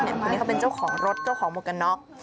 คนนี้เขาเป็นเจ้าของรถเจ้าของหมวกกันน็อก